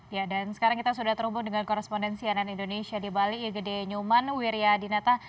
ya dan sekarang kita sudah terhubung dengan korespondensi ann indonesia di bali igede nyuman wiryadinata